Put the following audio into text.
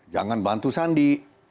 jangan bantu sandi